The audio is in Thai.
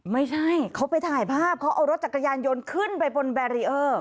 ไม่ใช่เขาไปถ่ายภาพเขาเอารถจักรยานยนต์ขึ้นไปบนแบรีเออร์